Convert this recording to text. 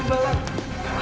ini pak wo bimbalan